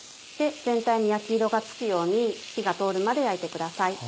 全体に焼き色がつくように火が通るまで焼いてください。